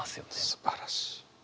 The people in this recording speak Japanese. すばらしい。